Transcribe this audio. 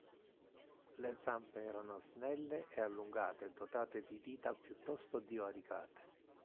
Le zampe erano snelle e allungate, dotate di dita piuttosto divaricate.